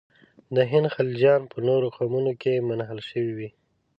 د هند خلجیان په نورو قومونو کې منحل شوي وي.